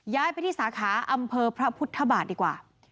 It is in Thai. ย้ายไปที่สาขาอำเภอพระพุทธบาทดีกว่า